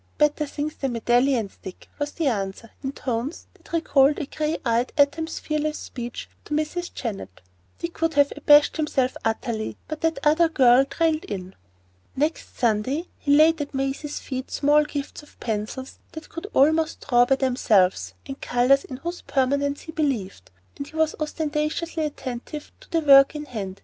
"Better things than medallions, Dick," was the answer, in tones that recalled a gray eyed atom's fearless speech to Mrs. Jennett. Dick would have abased himself utterly, but that other girl trailed in. Next Sunday he laid at Maisie's feet small gifts of pencils that could almost draw of themselves and colours in whose permanence he believed, and he was ostentatiously attentive to the work in hand.